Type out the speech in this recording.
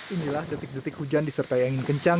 inilah detik detik hujan disertai angin kencang